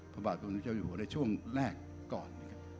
ภาพบาทคุณผู้ชมอยู่หัวในช่วงแรกก่อนนะครับ